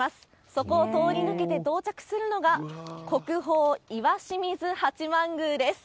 そこを通り抜けて到着するのが国宝、石清水八幡宮です。